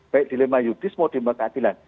baik dilema yudis mau dilema keadilan